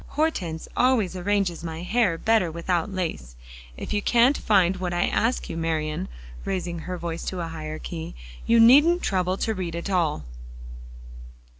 "Hortense always arranges my hair better without lace. If you can't find what I ask you, Marian," raising her voice to a higher key, "you needn't trouble to read at all."